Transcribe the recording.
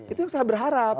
itu yang saya berharap